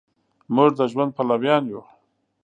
مونږ د ژوند پلویان یو